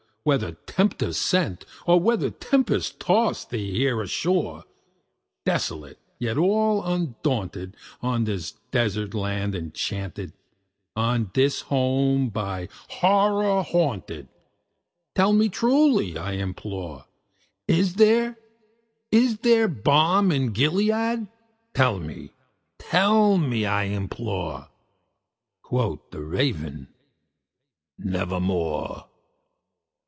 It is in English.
Whether Tempter sent, or whether tempest tossed thee here ashore, Desolate yet all undaunted, on this desert land enchanted On this home by Horror haunted tell me truly, I implore Is there is there balm in Gilead? tell me tell me, I implore!" Quoth the Raven, "Nevermore."